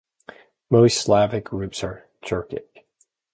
Most non-Slavic groups are Turkic.